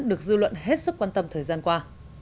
được dư luận hết sức quan tâm thời gian qua